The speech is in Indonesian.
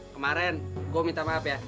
kemaren gua minta maaf ya